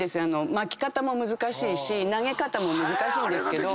巻き方も難しいし投げ方も難しいんですけど。